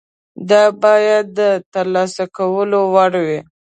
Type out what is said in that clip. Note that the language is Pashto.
دا باید د ترلاسه کولو وړ وي.